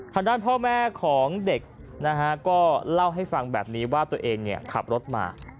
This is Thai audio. ทางด้านพ่อแม่ของเด็กนะฮะก็เล่าให้ฟังแบบนี้ว่าตัวเองขับรถมา